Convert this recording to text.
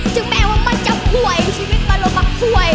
ถึงแม้ว่ามันจะควยชีวิตต้องลงมาควย